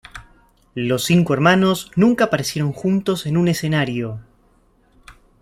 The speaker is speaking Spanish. Los cinco hermanos nunca aparecieron juntos en un escenario.